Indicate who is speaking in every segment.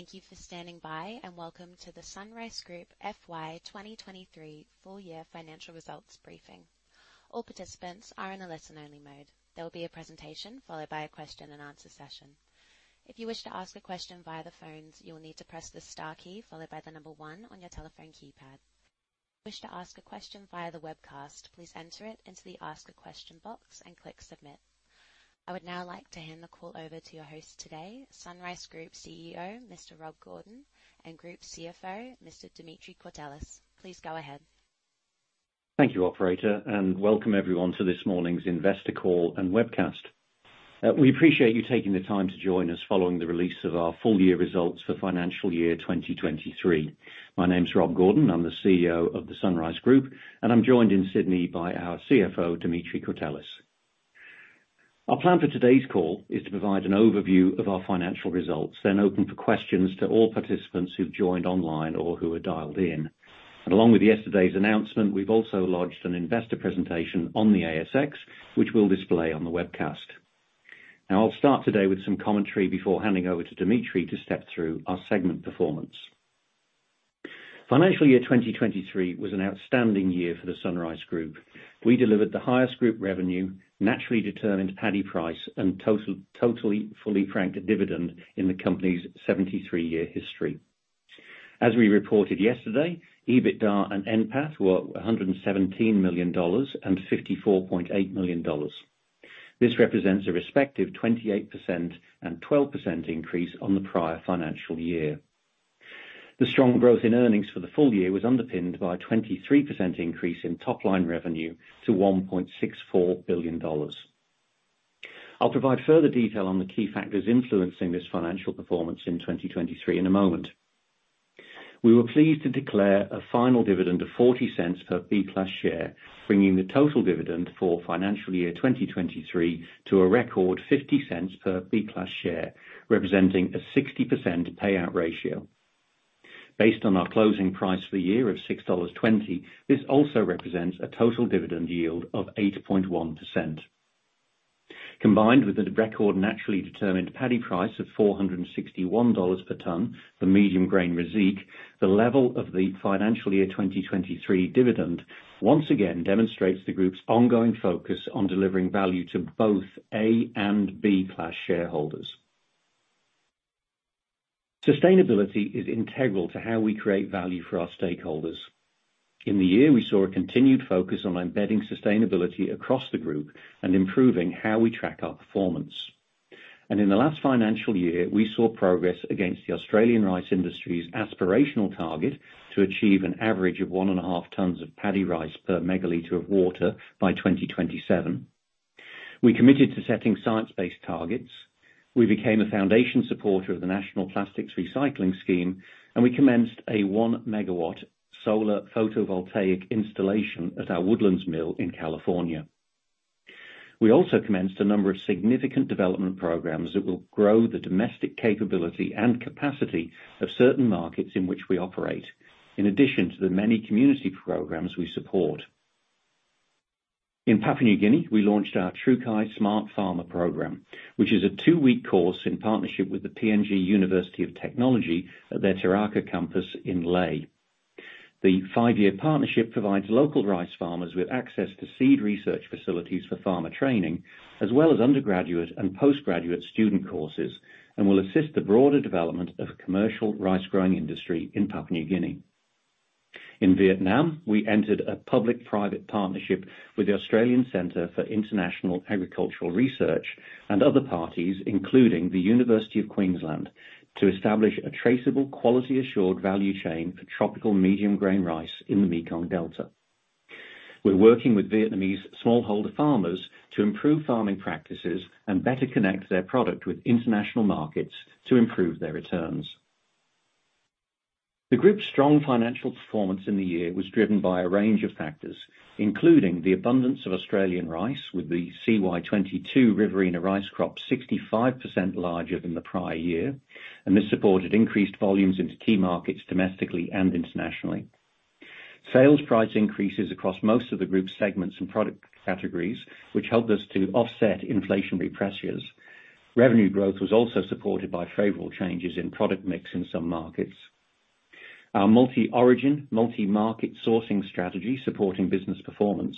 Speaker 1: Thank you for standing by, and welcome to the SunRice Group FY 2023 full year financial results briefing. All participants are in a listen-only mode. There will be a presentation followed by a question and answer session. If you wish to ask a question via the phones, you will need to press the star key followed by the 1 on your telephone keypad. If you wish to ask a question via the webcast, please enter it into the Ask a Question box and click Submit. I would now like to hand the call over to your host today, SunRice Group CEO, Mr. Rob Gordon, and Group CFO, Mr. Dimitri Courtelis. Please go ahead.
Speaker 2: Thank you, operator, and welcome everyone to this morning's investor call and webcast. We appreciate you taking the time to join us following the release of our full year results for financial year 2023. My name is Rob Gordon, I'm the CEO of the SunRice Group, and I'm joined in Sydney by our CFO, Dimitri Courtelis. Our plan for today's call is to provide an overview of our financial results, then open for questions to all participants who've joined online or who've dialed in. Along with yesterday's announcement, we've also launched an investor presentation on the ASX, which we'll display on the webcast. I'll start today with some commentary before handing over to Dimitri to step through our segment performance. Financial year 2023 was an outstanding year for the SunRice Group. We delivered the highest group revenue, naturally determined paddy price, and totally fully franked dividend in the company's 73-year history. As we reported yesterday, EBITDA and NPAT were $117 million and $54.8 million. This represents a respective 28% and 12% increase on the prior financial year. The strong growth in earnings for the full year was underpinned by a 23% increase in top-line revenue to $1.64 billion. I'll provide further detail on the key factors influencing this financial performance in 2023 in a moment. We were pleased to declare a final dividend of $0.40 per B Class Share, bringing the total dividend for financial year 2023 to a record $0.50 per B Class Share, representing a 60% payout ratio. Based on our closing price for the year of 6.20 dollars, this also represents a total dividend yield of 8.1%. Combined with the record naturally determined paddy price of 461 dollars per ton, the medium grain rice Reiziq, the level of the financial year 2023 dividend once again demonstrates the group's ongoing focus on delivering value to both A Class and B-Class shareholders. Sustainability is integral to how we create value for our stakeholders. In the year, we saw a continued focus on embedding sustainability across the group and improving how we track our performance. In the last financial year, we saw progress against the Australian rice industry's aspirational target to achieve an average of 1.5 tons of paddy rice per megaliter of water by 2027. We committed to setting science-based targets, we became a foundation supporter of the National Plastics Recycling Scheme, and we commenced a 1-megawatt solar photovoltaic installation at our Woodland mill in California. We also commenced a number of significant development programs that will grow the domestic capability and capacity of certain markets in which we operate, in addition to the many community programs we support. In Papua New Guinea, we launched our Trukai Smart Farmer program, which is a two-week course in partnership with the PNG University of Technology at their Taraka Campus in Lae. The 5-year partnership provides local rice farmers with access to seed research facilities for farmer training, as well as undergraduate and postgraduate student courses, and will assist the broader development of a commercial rice-growing industry in Papua New Guinea. In Vietnam, we entered a public-private partnership with the Australian Centre for International Agricultural Research and other parties, including The University of Queensland, to establish a traceable, quality assured value chain for tropical medium-grain rice in the Mekong Delta. We're working with Vietnamese smallholder farmers to improve farming practices and better connect their product with international markets to improve their returns. The Group's strong financial performance in the year was driven by a range of factors, including the abundance of Australian rice, with the CY 2022 Riverina rice crop 65% larger than the prior year, and this supported increased volumes into key markets, domestically and internationally. Sales price increases across most of the Group's segments and product categories, which helped us to offset inflationary pressures. Revenue growth was also supported by favorable changes in product mix in some markets. Our multi-origin, multi-market sourcing strategy supporting business performance.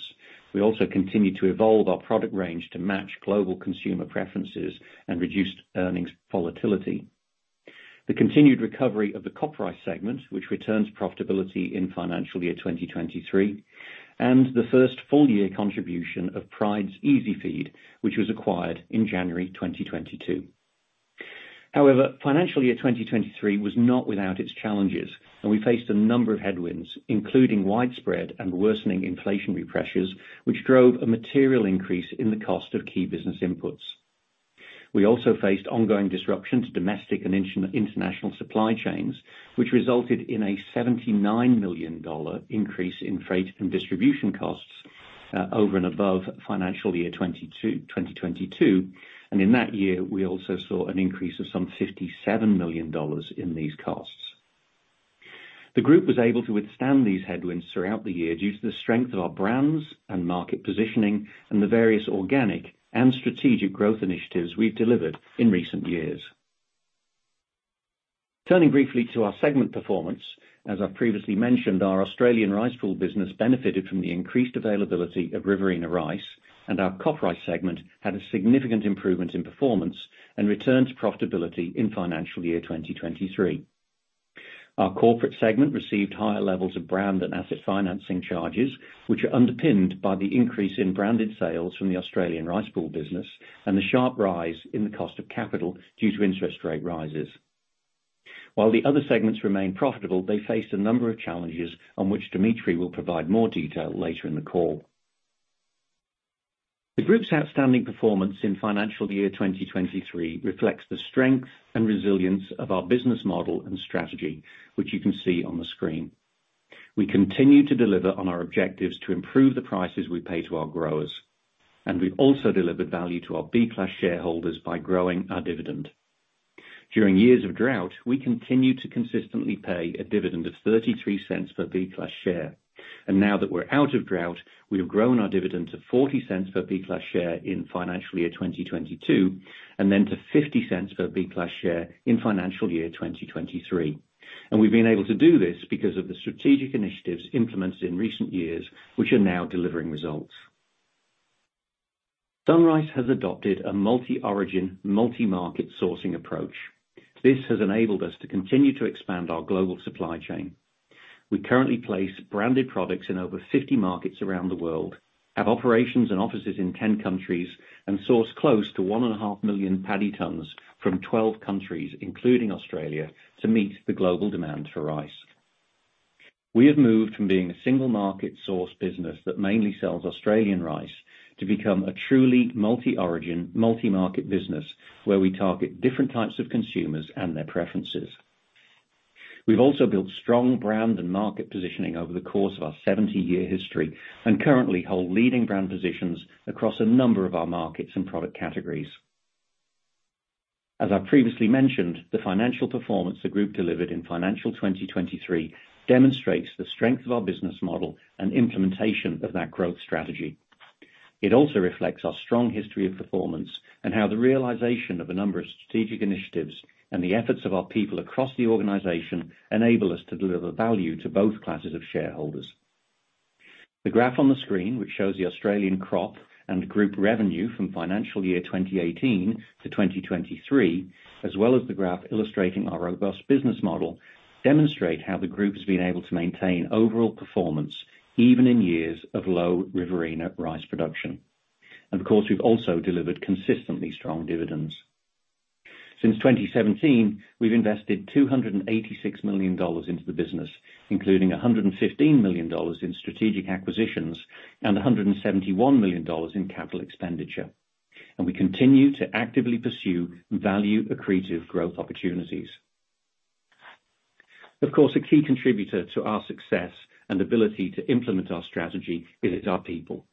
Speaker 2: We also continued to evolve our product range to match global consumer preferences and reduced earnings volatility. The continued recovery of the CopRice segment, which returns profitability in financial year 2023, and the first full year contribution of Pryde's EasiFeed, which was acquired in January 2022. Financial year 2023 was not without its challenges, and we faced a number of headwinds, including widespread and worsening inflationary pressures, which drove a material increase in the cost of key business inputs. We also faced ongoing disruptions to domestic and international supply chains, which resulted in a 79 million dollar increase in freight and distribution costs over and above financial year 2022. 2022, and in that year, we also saw an increase of some $57 million in these costs. The Group was able to withstand these headwinds throughout the year due to the strength of our brands and market positioning, and the various organic and strategic growth initiatives we've delivered in recent years. Turning briefly to our segment performance, as I've previously mentioned, our Australian Rice Pool business benefited from the increased availability of Riverina rice, and our CopRice segment had a significant improvement in performance and returned to profitability in financial year 2023. Our corporate segment received higher levels of brand and asset financing charges, which are underpinned by the increase in branded sales from the Australian Rice Pool business, and the sharp rise in the cost of capital due to interest rate rises. While the other segments remained profitable, they faced a number of challenges on which Dimitri will provide more detail later in the call. The group's outstanding performance in financial year 2023 reflects the strength and resilience of our business model and strategy, which you can see on the screen. We continue to deliver on our objectives to improve the prices we pay to our growers. We've also delivered value to our B-class shareholders by growing our dividend. During years of drought, we continued to consistently pay a dividend of 0.33 per B-class share. Now that we're out of drought, we have grown our dividend to 0.40 per B-class share in financial year 2022, then to 0.50 per B-class share in financial year 2023. We've been able to do this because of the strategic initiatives implemented in recent years, which are now delivering results. SunRice has adopted a multi-origin, multi-market sourcing approach. This has enabled us to continue to expand our global supply chain. We currently place branded products in over 50 markets around the world, have operations and offices in 10 countries, and source close to 1.5 million paddy tons from 12 countries, including Australia, to meet the global demand for rice. We have moved from being a single market source business that mainly sells Australian rice to become a truly multi-origin, multi-market business, where we target different types of consumers and their preferences. We've also built strong brand and market positioning over the course of our 70-year history, and currently hold leading brand positions across a number of our markets and product categories. As I previously mentioned, the financial performance the group delivered in financial 2023 demonstrates the strength of our business model and implementation of that growth strategy. It also reflects our strong history of performance and how the realization of a number of strategic initiatives and the efforts of our people across the organization enable us to deliver value to both classes of shareholders. The graph on the screen, which shows the Australian crop and group revenue from financial year 2018 - 2023, as well as the graph illustrating our robust business model, demonstrate how the group has been able to maintain overall performance, even in years of low Riverina rice production. Of course, we've also delivered consistently strong dividends. Since 2017, we've invested 286 million dollars into the business, including 115 million dollars in strategic acquisitions and 171 million dollars in capital expenditure. We continue to actively pursue value accretive growth opportunities. Of course, a key contributor to our success and ability to implement our strategy is our people.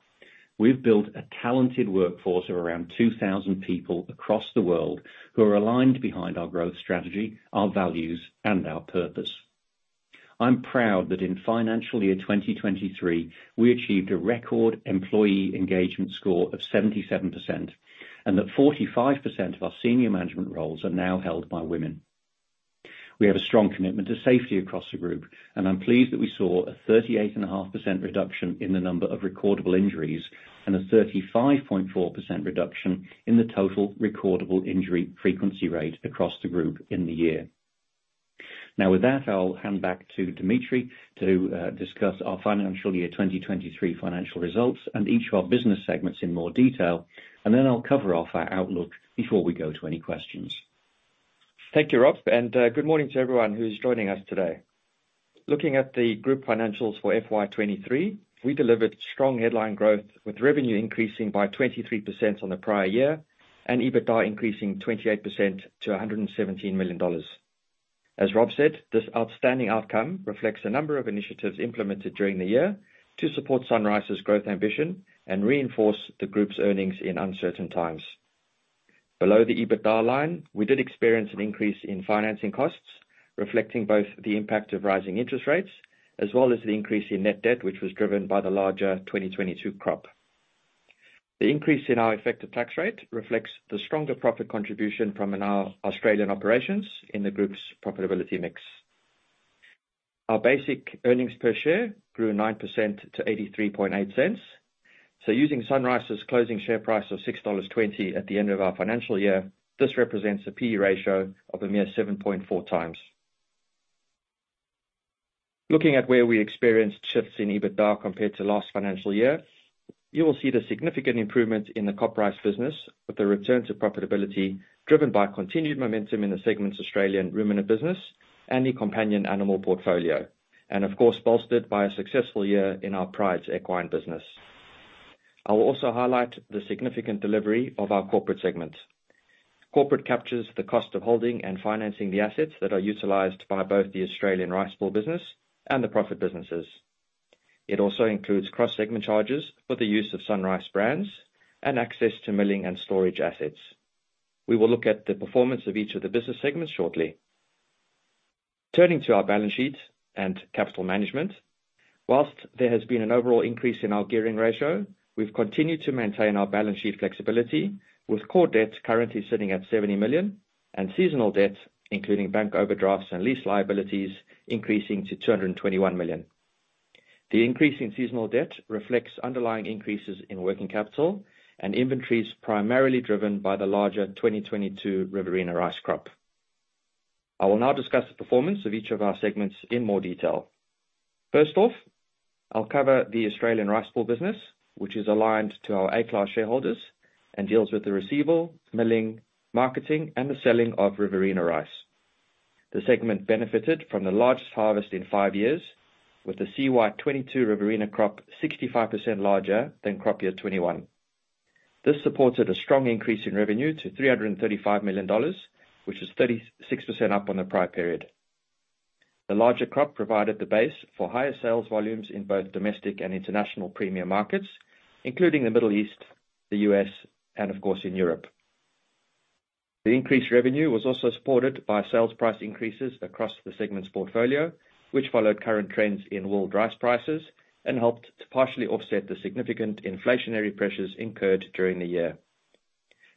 Speaker 2: We've built a talented workforce of around 2,000 people across the world who are aligned behind our growth strategy, our values, and our purpose. I'm proud that in financial year 2023, we achieved a record employee engagement score of 77%. That 45% of our senior management roles are now held by women. We have a strong commitment to safety across the group. I'm pleased that we saw a 38.5% reduction in the number of recordable injuries, and a 35.4% reduction in the total recordable injury frequency rate across the group in the year. With that, I'll hand back to Dimitri to discuss our financial year 2023 financial results and each of our business segments in more detail. I'll cover off our outlook before we go to any questions.
Speaker 3: Thank you, Rob, and good morning to everyone who's joining us today. Looking at the group financials for FY 2023, we delivered strong headline growth, with revenue increasing by 23% on the prior year and EBITDA increasing 28% to $117 million. As Rob said, this outstanding outcome reflects a number of initiatives implemented during the year to support SunRice's growth ambition and reinforce the group's earnings in uncertain times. Below the EBITDA line, we did experience an increase in financing costs, reflecting both the impact of rising interest rates as well as the increase in net debt, which was driven by the larger 2022 crop. The increase in our effective tax rate reflects the stronger profit contribution from our Australian operations in the group's profitability mix. Our basic earnings per share grew 9% to $83.8 cents. Using SunRice's closing share price of 6.20 dollars at the end of our financial year, this represents a P/E ratio of a mere 7.4x. Looking at where we experienced shifts in EBITDA compared to last financial year, you will see the significant improvement in the CopRice business, with a return to profitability driven by continued momentum in the segment's Australian ruminant business and the companion animal portfolio, and of course, bolstered by a successful year in our Pryde's EasiFeed equine business. I will also highlight the significant delivery of our corporate segment. Corporate captures the cost of holding and financing the assets that are utilized by both the Australian Rice Pool business and the profit businesses. It also includes cross-segment charges for the use of SunRice brands and access to milling and storage assets. We will look at the performance of each of the business segments shortly. Turning to our balance sheet and capital management, whilst there has been an overall increase in our gearing ratio, we've continued to maintain our balance sheet flexibility, with core debt currently sitting at 70 million and seasonal debt, including bank overdrafts and lease liabilities, increasing to 221 million. The increase in seasonal debt reflects underlying increases in working capital and inventories, primarily driven by the larger 2022 Riverina rice crop. I will now discuss the performance of each of our segments in more detail. First off, I'll cover the Australian Rice Pool business, which is aligned to our A Class shareholders and deals with the receivable, milling, marketing, and the selling of Riverina rice. The segment benefited from the largest harvest in five years, with the CY 2022 Riverina crop 65% larger than crop year 2021. This supported a strong increase in revenue to 335 million dollars, which is 36% up on the prior period. The larger crop provided the base for higher sales volumes in both domestic and international premium markets, including the Middle East, the U.S., and of course, in Europe. The increased revenue was also supported by sales price increases across the segments portfolio, which followed current trends in world rice prices, and helped to partially offset the significant inflationary pressures incurred during the year.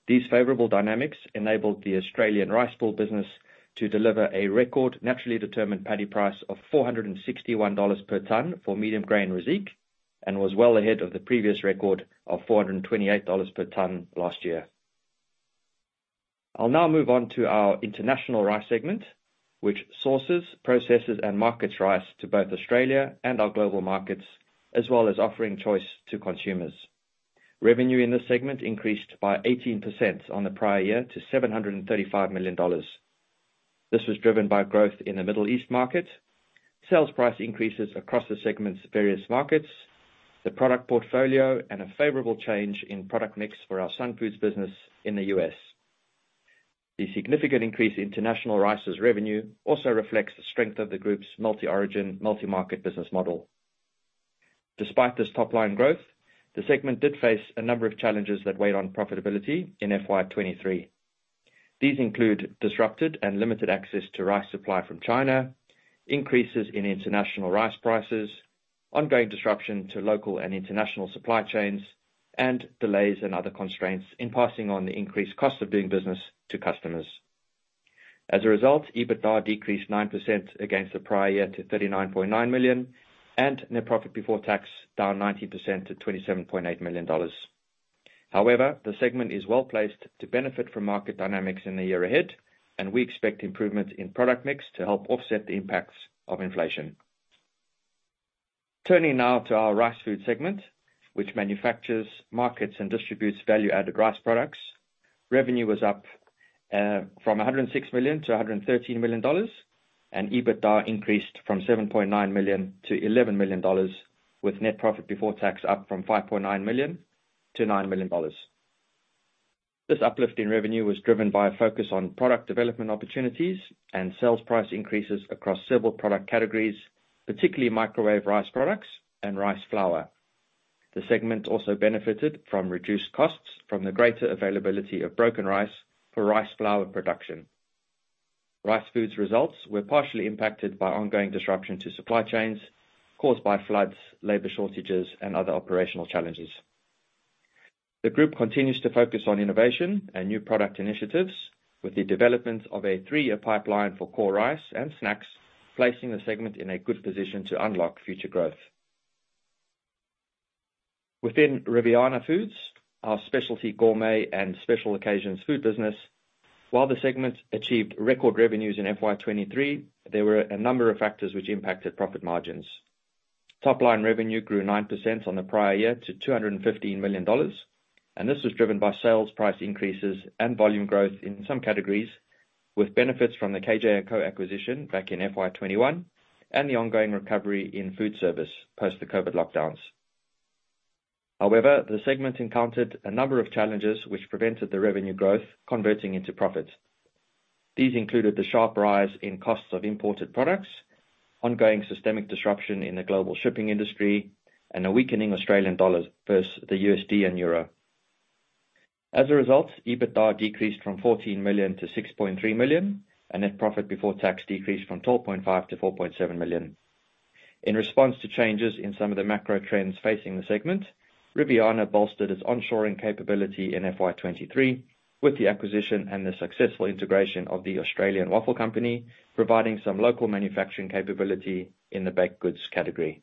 Speaker 3: These favorable dynamics enabled the Australian Rice Pool business to deliver a record naturally determined paddy price of 461 dollars per tonne for medium grain Reiziq, and was well ahead of the previous record of 428 dollars per tonne last year. I'll now move on to our international rice segment, which sources, processes, and markets rice to both Australia and our global markets, as well as offering choice to consumers. Revenue in this segment increased by 18% on the prior year to 735 million dollars. This was driven by growth in the Middle East market, sales price increases across the segment's various markets, the product portfolio, and a favorable change in product mix for our SunFoods business in the U.S. The significant increase in international rice's revenue also reflects the strength of the group's multi-origin, multi-market business model. Despite this top line growth, the segment did face a number of challenges that weighed on profitability in FY 2023. These include disrupted and limited access to rice supply from China, increases in international rice prices, ongoing disruption to local and international supply chains, and delays and other constraints in passing on the increased cost of doing business to customers. As a result, EBITDA decreased 9% against the prior year to 39.9 million, and net profit before tax down 90% to 27.8 million dollars. However, the segment is well-placed to benefit from market dynamics in the year ahead, and we expect improvements in product mix to help offset the impacts of inflation. Turning now to our Rice Food segment, which manufactures, markets, and distributes value-added rice products. Revenue was up from $106 million - $113 million, and EBITDA increased from $7.9 million - $11 million, with net profit before tax up from $5.9 million - $9 million. This uplift in revenue was driven by a focus on product development opportunities and sales price increases across several product categories, particularly microwave rice products and rice flour. The segment also benefited from reduced costs from the greater availability of broken rice for rice flour production. Rice Food results were partially impacted by ongoing disruption to supply chains caused by floods, labor shortages, and other operational challenges. The group continues to focus on innovation and new product initiatives with the development of a three-year pipeline for core rice and snacks, placing the segment in a good position to unlock future growth. Within Riviana Foods, our specialty gourmet and special occasions food business, while the segment achieved record revenues in FY 2023, there were a number of factors which impacted profit margins. Top-line revenue grew 9% on the prior year to 215 million dollars, this was driven by sales price increases and volume growth in some categories, with benefits from the KJ&Co acquisition back in FY 2021 and the ongoing recovery in food service post the COVID lockdowns. The segment encountered a number of challenges which prevented the revenue growth converting into profit. These included the sharp rise in costs of imported products, ongoing systemic disruption in the global shipping industry, a weakening Australian dollar versus the USD and Euro. EBITDA decreased from 14 million - 6.3 million, and net profit before tax decreased from 12.5 million - 4.7 million. In response to changes in some of the macro trends facing the segment, Riviana bolstered its onshoring capability in FY 2023 with the acquisition and the successful integration of The Australian Waffle Co, providing some local manufacturing capability in the baked goods category.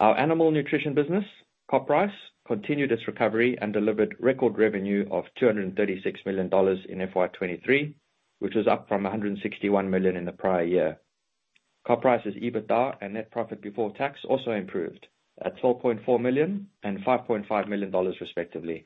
Speaker 3: Our animal nutrition business, Coprice, continued its recovery and delivered record revenue of 236 million dollars in FY 2023, which was up from 161 million in the prior year. Coprice's EBITDA and net profit before tax also improved, at 4.4 million and 5.5 million dollars, respectively.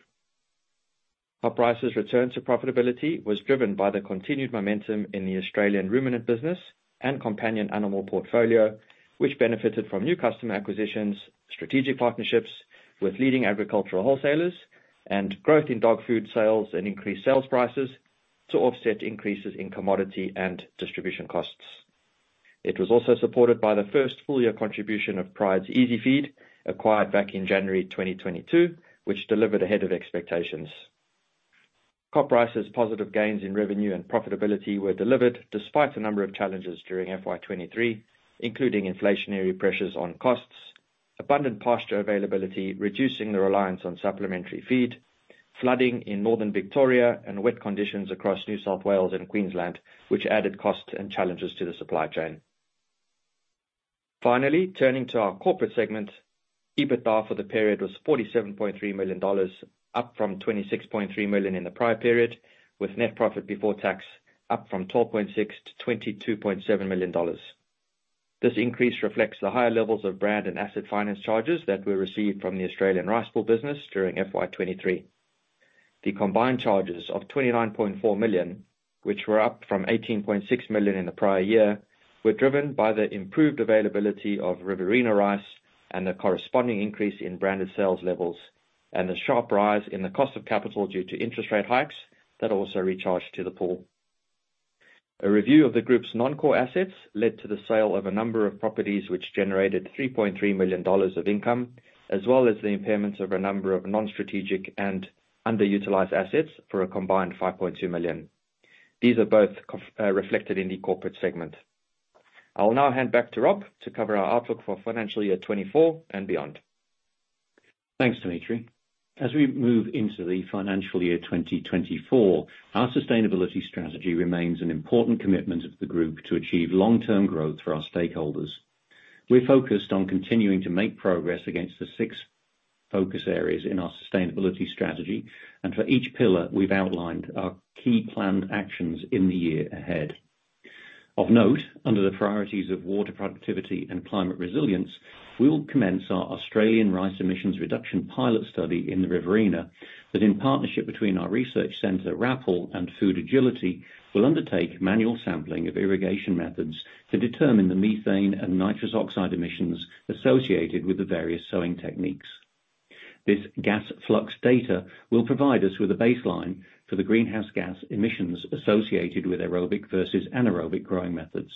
Speaker 3: CopRice's return to profitability was driven by the continued momentum in the Australian ruminant business and companion animal portfolio, which benefited from new customer acquisitions, strategic partnerships with leading agricultural wholesalers, and growth in dog food sales and increased sales prices, to offset increases in commodity and distribution costs. It was also supported by the first full year contribution of Pryde's EasiFeed, acquired back in January 2022, which delivered ahead of expectations. CopRice's positive gains in revenue and profitability were delivered despite a number of challenges during FY 2023, including inflationary pressures on costs, abundant pasture availability, reducing the reliance on supplementary feed, flooding in Northern Victoria, and wet conditions across New South Wales and Queensland, which added costs and challenges to the supply chain. Turning to our corporate segment, EBITDA for the period was 47.3 million dollars, up from 26.3 million in the prior period, with net profit before tax up from 12.6 million - 22.7 million dollars. This increase reflects the higher levels of brand and asset finance charges that were received from the Australian Rice Pool business during FY 2023. The combined charges of 29.4 million, which were up from 18.6 million in the prior year, were driven by the improved availability of Riverina rice and the corresponding increase in branded sales levels, and the sharp rise in the cost of capital due to interest rate hikes that also recharged to the pool. A review of the group's non-core assets led to the sale of a number of properties, which generated 3.3 million dollars of income, as well as the impairments of a number of non-strategic and underutilized assets for a combined 5.2 million. These are both reflected in the corporate segment. I'll now hand back to Rob to cover our outlook for financial year 2024 and beyond.
Speaker 2: Thanks, Dimitri. As we move into the financial year 2024, our sustainability strategy remains an important commitment of the group to achieve long-term growth for our stakeholders. We're focused on continuing to make progress against the six focus areas in our sustainability strategy, and for each pillar, we've outlined our key planned actions in the year ahead. Of note, under the priorities of water productivity and climate resilience, we will commence our Australian Rice Emissions Reduction pilot study in the Riverina, that in partnership between our research center, RRAPL and Food Agility CRC, will undertake manual sampling of irrigation methods to determine the methane and nitrous oxide emissions associated with the various sowing techniques. This gas flux data will provide us with a baseline for the greenhouse gas emissions associated with aerobic versus anaerobic growing methods.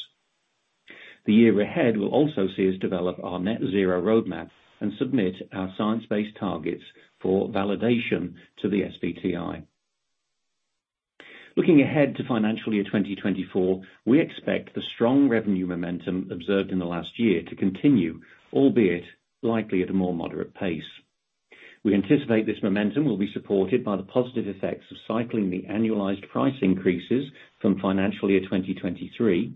Speaker 2: The year ahead will also see us develop our Net Zero roadmap and submit our science-based targets for validation to the SBTi. Looking ahead to financial year 2024, we expect the strong revenue momentum observed in the last year to continue, albeit likely at a more moderate pace. We anticipate this momentum will be supported by the positive effects of cycling the annualized price increases from financial year 2023,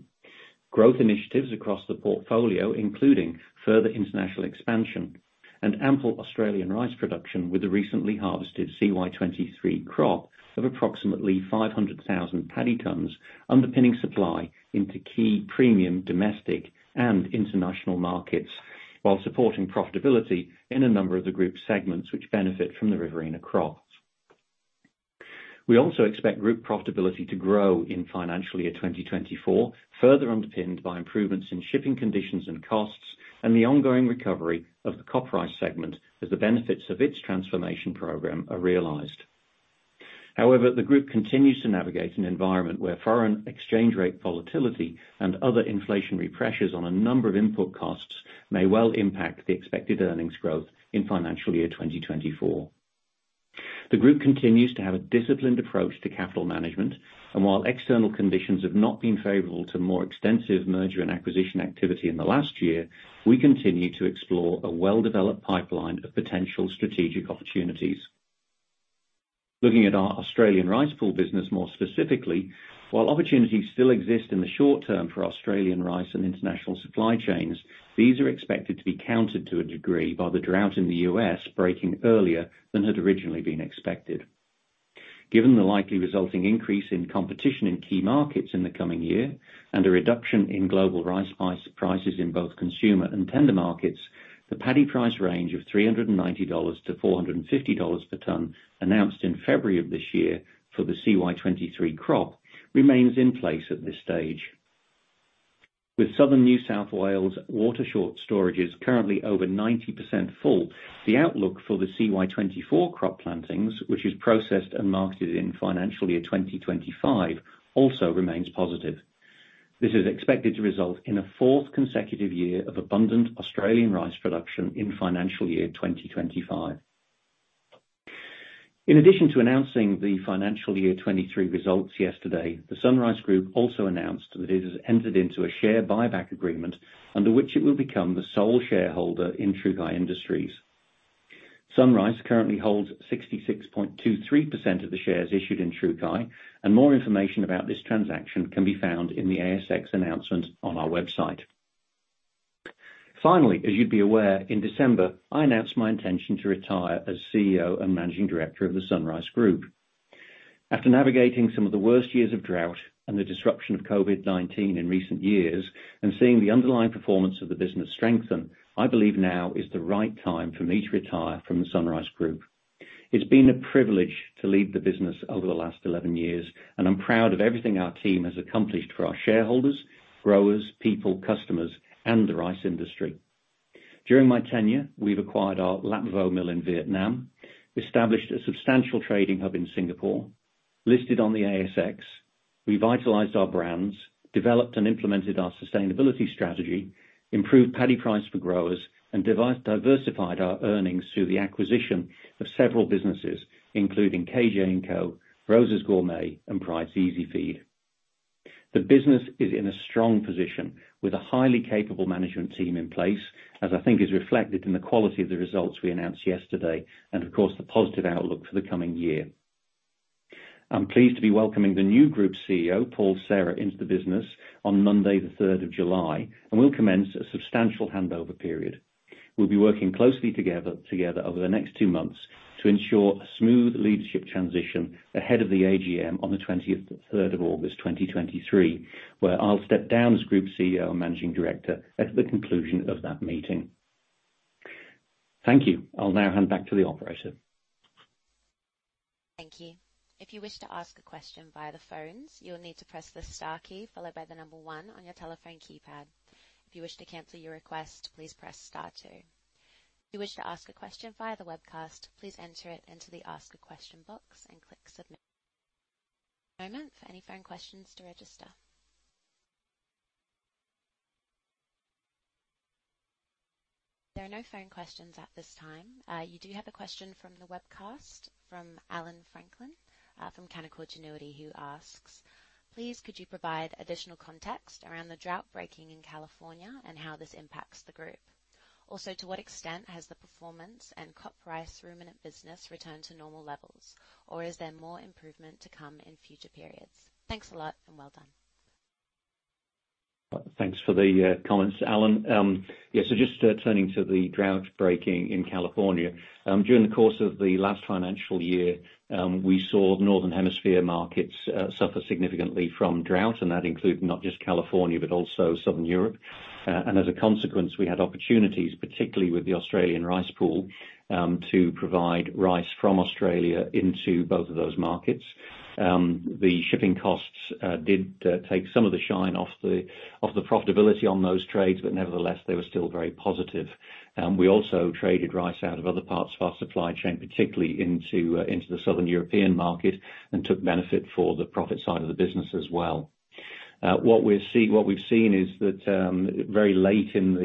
Speaker 2: growth initiatives across the portfolio, including further international expansion and ample Australian rice production with the recently harvested CY 2023 crop of approximately 500,000 paddy tons, underpinning supply into key premium, domestic, and international markets, while supporting profitability in a number of the group segments which benefit from the Riverina crop. We also expect group profitability to grow in financial year 2024, further underpinned by improvements in shipping conditions and costs, and the ongoing recovery of the CopRice segment, as the benefits of its transformation program are realized. The group continues to navigate an environment where foreign exchange rate volatility and other inflationary pressures on a number of input costs may well impact the expected earnings growth in financial year 2024. The group continues to have a disciplined approach to capital management, while external conditions have not been favorable to more extensive merger and acquisition activity in the last year, we continue to explore a well-developed pipeline of potential strategic opportunities. Looking at our Australian Rice Pool business more specifically, while opportunities still exist in the short term for Australian rice and international supply chains, these are expected to be countered to a degree by the drought in the U.S., breaking earlier than had originally been expected. Given the likely resulting increase in competition in key markets in the coming year, and a reduction in global rice price, prices in both consumer and tender markets, the paddy price range of 390-450 dollars per ton, announced in February of this year for the CY 2023 crop, remains in place at this stage. With Southern New South Wales water short storages currently over 90% full, the outlook for the CY 2024 crop plantings, which is processed and marketed in financial year 2025, also remains positive. This is expected to result in a fourth consecutive year of abundant Australian rice production in financial year 2025. In addition to announcing the financial year 2023 results yesterday, the SunRice Group also announced that it has entered into a share buyback agreement under which it will become the sole shareholder in Trukai Industries. SunRice currently holds 66.23% of the shares issued in Trukai, and more information about this transaction can be found in the ASX announcement on our website. Finally, as you'd be aware, in December, I announced my intention to retire as CEO and Managing Director of the SunRice Group. After navigating some of the worst years of drought and the disruption of COVID-19 in recent years, and seeing the underlying performance of the business strengthen, I believe now is the right time for me to retire from the SunRice Group. It's been a privilege to lead the business over the last 11 years, and I'm proud of everything our team has accomplished for our shareholders, growers, people, customers, and the rice industry. During my tenure, we've acquired our Lap Vo mill in Vietnam, established a substantial trading hub in Singapore, listed on the ASX, revitalized our brands, developed and implemented our sustainability strategy, improved paddy price for growers, and diversified our earnings through the acquisition of several businesses, including KJ&Co, Roza's Gourmet, and Pryde's EasiFeed. The business is in a strong position, with a highly capable management team in place, as I think is reflected in the quality of the results we announced yesterday, and of course, the positive outlook for the coming year. I'm pleased to be welcoming the new Group CEO, Paul Serra, into the business on Monday, the third of July, and we'll commence a substantial handover period. We'll be working closely together over the next two months to ensure a smooth leadership transition ahead of the AGM on the 23rd of August 2023, where I'll step down as Group CEO and Managing Director at the conclusion of that meeting. Thank you. I'll now hand back to the operator.
Speaker 1: Thank you. If you wish to ask a question via the phones, you'll need to press the star key, followed by 1 on your telephone keypad. If you wish to cancel your request, please press star 2. If you wish to ask a question via the webcast, please enter it into the Ask a Question box and click Submit. Moment for any phone questions to register. There are no phone questions at this time. You do have a question from the webcast from Allan Franklin from Canaccord Genuity, who asks: "Please, could you provide additional context around the drought breaking in California and how this impacts the group? Also, to what extent has the performance and CopRice ruminant business returned to normal levels, or is there more improvement to come in future periods? Thanks a lot, and well done.
Speaker 2: Thanks for the comments, Allan. Yeah, just turning to the drought breaking in California. During the course of the last financial year, we saw the Northern Hemisphere markets suffer significantly from drought, and that included not just California, but also Southern Europe. As a consequence, we had opportunities, particularly with the Australian Rice Pool, to provide rice from Australia into both of those markets. The shipping costs did take some of the shine off the profitability on those trades, but nevertheless, they were still very positive. We also traded rice out of other parts of our supply chain, particularly into the Southern European market, took benefit for the profit side of the business as well. What we've seen is that, very late in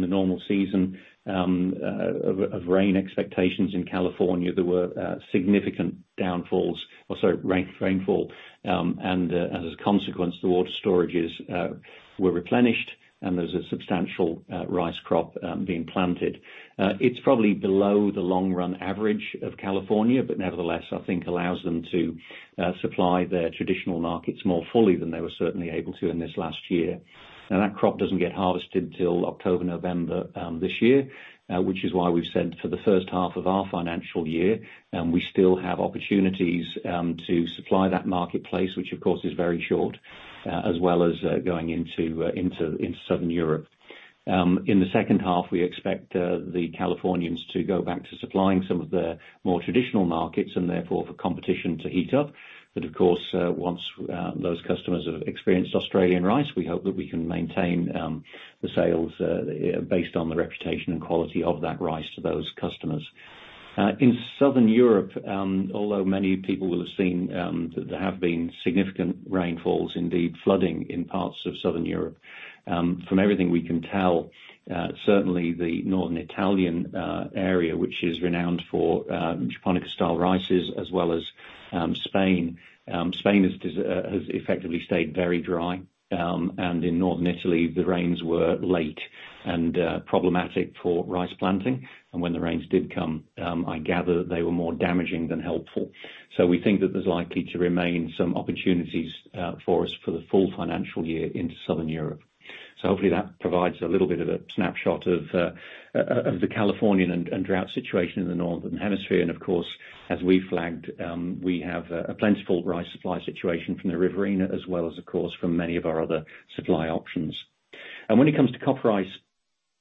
Speaker 2: the normal season, of rain expectations in California, there were significant downfalls, or sorry, rainfall. As a consequence, the water storages were replenished, and there's a substantial rice crop being planted. It's probably below the long-run average of California, but nevertheless, I think allows them to supply their traditional markets more fully than they were certainly able to in this last year. That crop doesn't get harvested until October, November this year, which is why we've said for the first half of our financial year, and we still have opportunities to supply that marketplace, which of course, is very short, as well as going into Southern Europe. In the second half, we expect the Californians to go back to supplying some of the more traditional markets and therefore for competition to heat up. Of course, once those customers have experienced Australian rice, we hope that we can maintain the sales based on the reputation and quality of that rice to those customers. In Southern Europe, although many people will have seen, there have been significant rainfalls, indeed, flooding in parts of Southern Europe, from everything we can tell, certainly the northern Italian area, which is renowned for Japonica-style rices as well as Spain. Spain has effectively stayed very dry, and in northern Italy, the rains were late and problematic for rice planting. When the rains did come, I gather they were more damaging than helpful. We think that there's likely to remain some opportunities for us for the full financial year into southern Europe. Hopefully that provides a little bit of a snapshot of the Californian and drought situation in the Northern Hemisphere. Of course, as we flagged, we have a plentiful rice supply situation from the Riverina, as well as, of course, from many of our other supply options. When it comes to CopRice,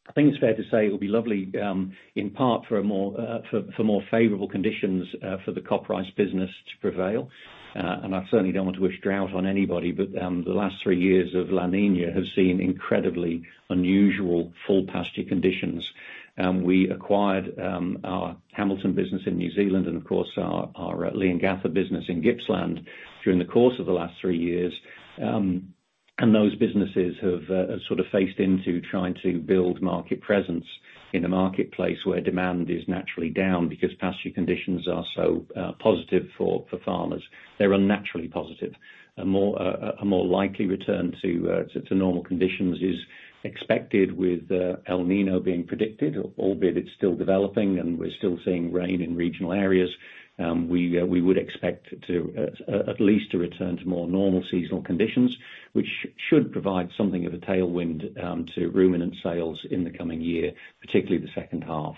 Speaker 2: I think it's fair to say it will be lovely in part for a more favorable conditions for the CopRice business to prevail. I certainly don't want to wish drought on anybody, but the last three years of La Niña have seen incredibly unusual full pasture conditions. We acquired our Hamilton business in New Zealand and, of course, our Leongatha business in Gippsland during the course of the last three years. Those businesses have sort of faced into trying to build market presence in a marketplace where demand is naturally down because pasture conditions are so positive for farmers. They're unnaturally positive. A more likely return to normal conditions is expected with El Niño being predicted, albeit it's still developing and we're still seeing rain in regional areas. We would expect to at least return to more normal seasonal conditions, which should provide something of a tailwind to ruminant sales in the coming year, particularly the second half.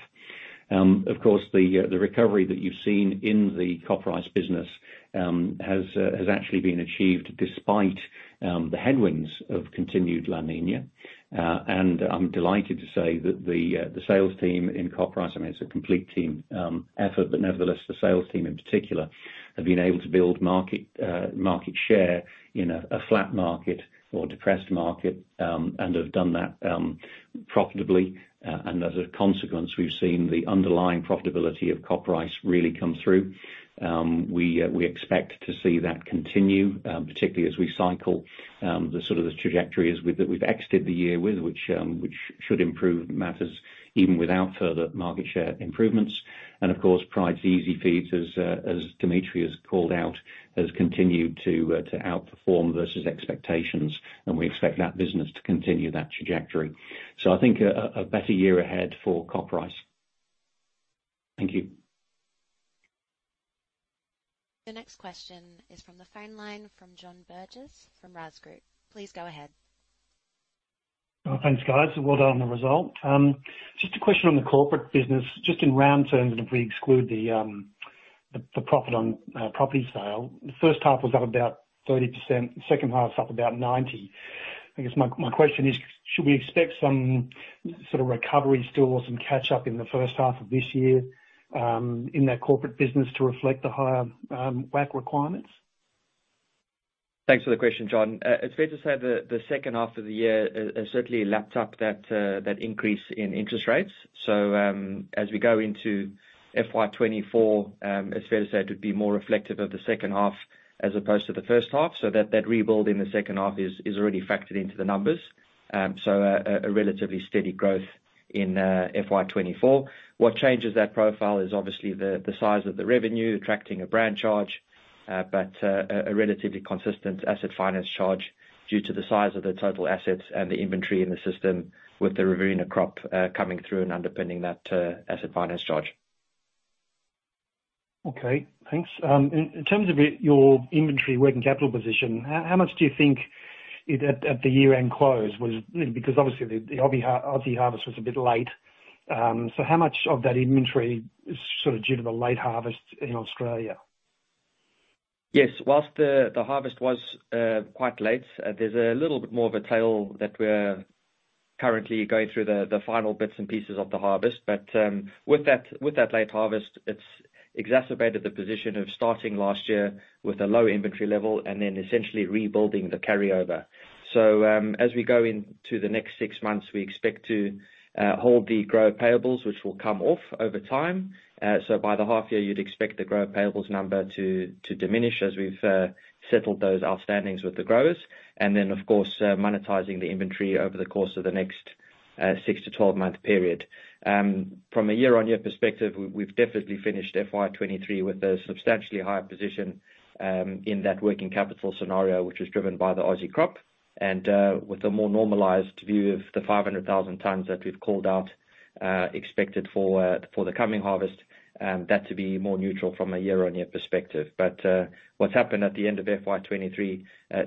Speaker 2: Of course, the recovery that you've seen in the CopRice business has actually been achieved despite the headwinds of continued La Niña. I'm delighted to say that the sales team in CopRice, I mean, it's a complete team effort, but nevertheless, the sales team in particular, have been able to build market share in a flat market or depressed market and have done that profitably. As a consequence, we've seen the underlying profitability of CopRice really come through. We expect to see that continue, particularly as we cycle the sort of the trajectories that we've exited the year with, which should improve matters even without further market share improvements. Of course, Pryde's EasiFeed, as Dimitri has called out, has continued to outperform versus expectations, and we expect that business to continue that trajectory. I think a better year ahead for CopRice. Thank you.
Speaker 1: The next question is from the phone line from John Burgess from RaaS Group. Please go ahead.
Speaker 4: Thanks, guys. Well done on the result. Just a question on the corporate business. Just in round terms, and if we exclude the profit on property sale, the first half was up about 30%, the second half was up about 90%. I guess my question is, should we expect some sort of recovery still or some catch-up in the first half of this year in that corporate business to reflect the higher WAC requirements?
Speaker 3: Thanks for the question, John. It's fair to say the second half of the year certainly lapped up that increase in interest rates. As we go into FY 2024, it's fair to say it would be more reflective of the second half as opposed to the first half, so that rebuild in the second half is already factored into the numbers. A relatively steady growth in FY 2024. What changes that profile is obviously the size of the revenue attracting a brand charge, a relatively consistent asset finance charge due to the size of the total assets and the inventory in the system with the Riviana crop coming through and underpinning that asset finance charge.
Speaker 4: Okay, thanks. In terms of your inventory working capital position, how much do you think it at the year-end close was? Obviously the Aussie harvest was a bit late. How much of that inventory is sort of due to the late harvest in Australia?
Speaker 3: Yes, whilst the harvest was quite late, there's a little bit more of a tail that we're currently going through the final bits and pieces of the harvest. With that late harvest, it's exacerbated the position of starting last year with a low inventory level and then essentially rebuilding the carryover. As we go into the next six months, we expect to hold the grower payables, which will come off over time. By the half year, you'd expect the grower payables number to diminish as we've settled those outstandings with the growers. Of course, monetizing the inventory over the course of the next six to 12-month period. From a year-on-year perspective, we've definitely finished FY 2023 with a substantially higher position in that working capital scenario, which is driven by the Aussie crop. With a more normalized view of the 500,000 tons that we've called out, expected for the coming harvest, that to be more neutral from a year-on-year perspective. What's happened at the end of FY 2023,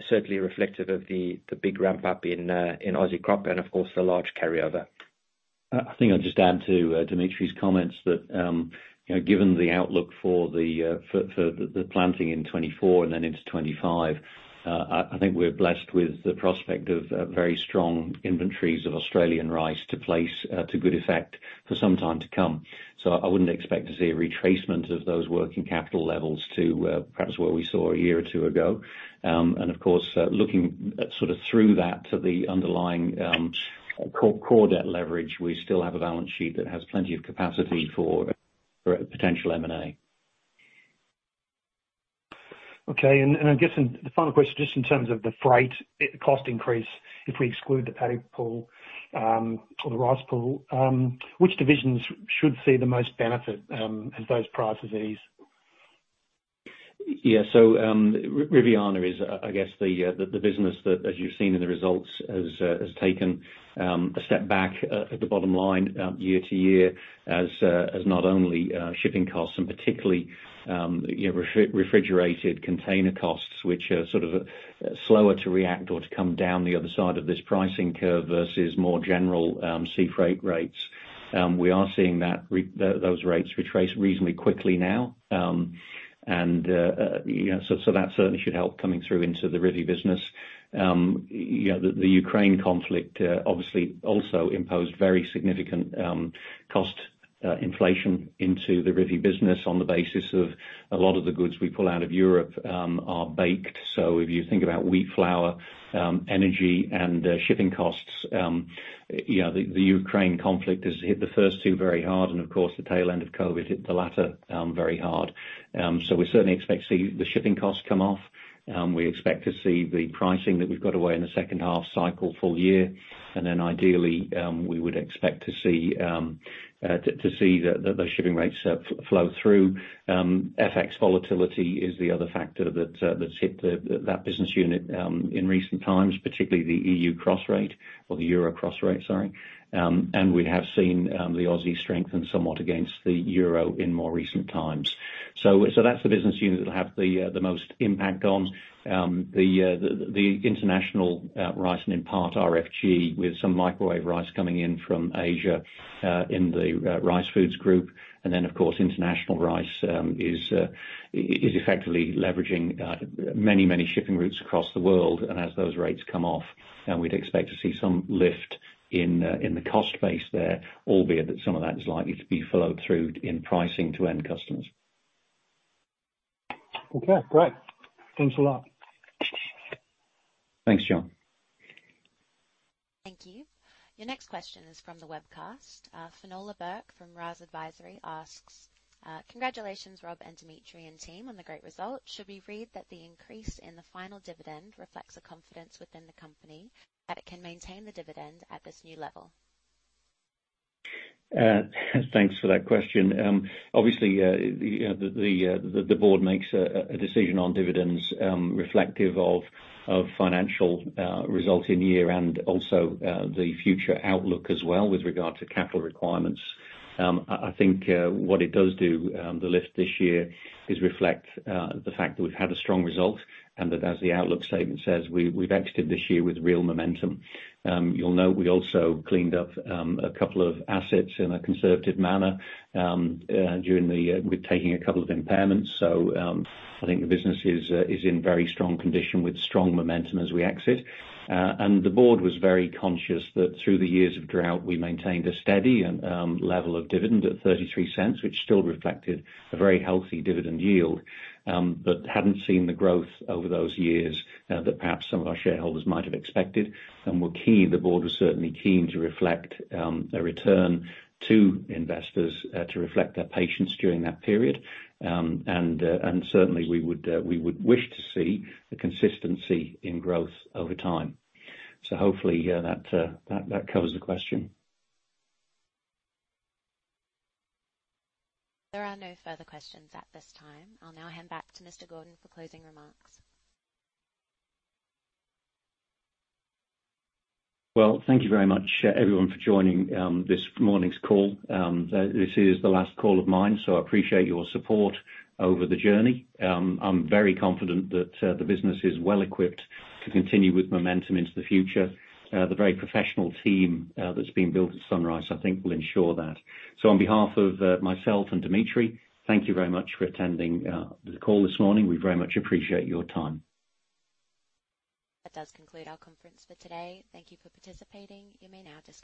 Speaker 3: certainly reflective of the big ramp up in Aussie crop and of course, the large carryover.
Speaker 2: I think I'll just add to Dimitri's comments that, you know, given the outlook for the planting in 2024 and then into 2025, I think we're blessed with the prospect of a very strong inventories of Australian rice to place to good effect for some time to come. I wouldn't expect to see a retracement of those working capital levels to perhaps where we saw a year or two ago. And of course, looking sort of through that to the underlying core debt leverage, we still have a balance sheet that has plenty of capacity for potential M&A.
Speaker 4: I guess the final question, just in terms of the freight cost increase. If we exclude the paddock pool, or the rice pool, which divisions should see the most benefit as those prices ease?
Speaker 2: Yeah, Riviana is, I guess, the business that, as you've seen in the results, has taken a step back at the bottom line year-to-year, as not only shipping costs and particularly, you know, refrigerated container costs, which are sort of slower to react or to come down the other side of this pricing curve versus more general sea freight rates. We are seeing that those rates retrace reasonably quickly now, and, you know, that certainly should help coming through into the Rivi business. You know, the Ukraine conflict obviously also imposed very significant cost inflation into the Rivi business on the basis of a lot of the goods we pull out of Europe are baked. If you think about wheat flour, energy and shipping costs, the Ukraine conflict has hit the first two very hard, and of course, the tail end of COVID hit the latter very hard. We certainly expect to see the shipping costs come off. We expect to see the pricing that we've got away in the second half cycle full year, and then ideally, we would expect to see the shipping rates flow through. FX volatility is the other factor that that's hit the that business unit in recent times, particularly the EU cross rate or the Euro cross rate, sorry. We have seen the Aussie strengthen somewhat against the Euro in more recent times. That's the business unit that will have the most impact on the international rice and in part RFG, with some microwave rice coming in from Asia, in the Rice Foods Group. Of course, international rice is effectively leveraging many shipping routes across the world. As those rates come off, and we'd expect to see some lift in the cost base there, albeit that some of that is likely to be flowed through in pricing to end customers. Okay, great. Thanks a lot. Thanks, John.
Speaker 1: Thank you. Your next question is from the webcast. Finola Burke from RaaS Advisory asks, "Congratulations, Rob and Dimitri and team, on the great result. Should we read that the increase in the final dividend reflects the confidence within the company, that it can maintain the dividend at this new level?
Speaker 2: Thanks for that question. Obviously, the board makes a decision on dividends, reflective of financial results in year and also the future outlook as well, with regard to capital requirements. I think what it does do, the lift this year, is reflect the fact that we've had a strong result, and that as the outlook statement says, we've exited this year with real momentum. You'll note we also cleaned up a couple of assets in a conservative manner during the year, with taking a couple of impairments. I think the business is in very strong condition, with strong momentum as we exit. The board was very conscious that through the years of drought, we maintained a steady and level of dividend at 0.33, which still reflected a very healthy dividend yield. Hadn't seen the growth over those years that perhaps some of our shareholders might have expected, and the board was certainly keen to reflect a return to investors to reflect their patience during that period. Certainly we would wish to see the consistency in growth over time. Hopefully that covers the question.
Speaker 1: There are no further questions at this time. I'll now hand back to Mr Gordon for closing remarks.
Speaker 2: Well, thank you very much, everyone, for joining this morning's call. This is the last call of mine, so I appreciate your support over the journey. I'm very confident that the business is well-equipped to continue with momentum into the future. The very professional team that's been built at SunRice, I think will ensure that. On behalf of myself and Dimitri, thank you very much for attending the call this morning. We very much appreciate your time.
Speaker 1: That does conclude our conference for today. Thank you for participating. You may now disconnect.